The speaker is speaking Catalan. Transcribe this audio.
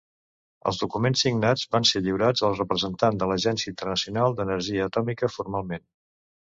Els documents signats van ser lliurats al representant de l'Agència Internacional d'Energia Atòmica formalment.